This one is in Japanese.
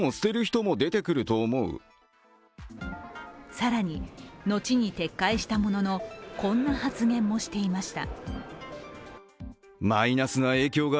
更に、後に撤回したものの、こんな発言もしていました。